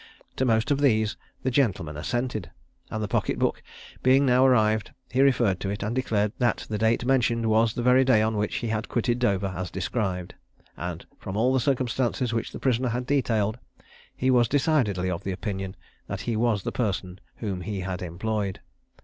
To most of these the gentleman assented, and the pocket book being now arrived he referred to it, and declared that the date mentioned was the very day on which he had quitted Dover as described; and from all the circumstances which the prisoner had detailed, he was decidedly of opinion that he was the person whom he had employed.